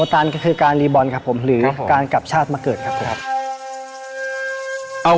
ตันก็คือการรีบอลครับผมหรือการกลับชาติมาเกิดครับผมครับเอา